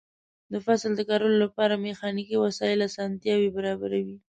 د فصل د کرلو لپاره میخانیکي وسایل اسانتیاوې برابروي.